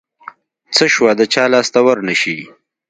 څه شوه د چا لاس ته ورنشي.